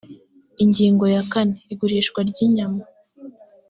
ingingo ya kane igurishwa ry inyama